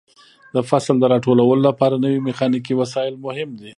د فصل د راټولولو لپاره نوې میخانیکي وسایل مهم دي.